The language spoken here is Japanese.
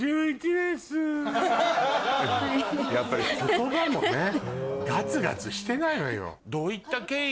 やっぱり言葉もねガツガツしてないわよ。